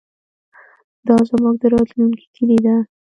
دا زموږ د راتلونکي کلي ده.